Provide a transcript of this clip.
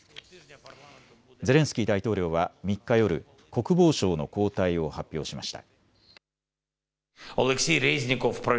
ゼレンスキー大統領は３日夜、国防相の交代を発表しました。